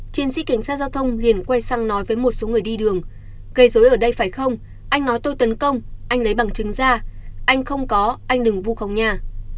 chiến sĩ cảnh sát giao thông liền quay sang nói với một số người đi đường gây dối ở đây phải không anh nói tôi tấn công anh lấy bằng chứng ra anh không có anh đừng vu khống nhà